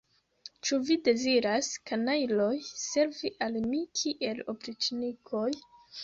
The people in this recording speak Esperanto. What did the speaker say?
Ĉu vi deziras, kanajloj, servi al mi kiel opriĉnikoj?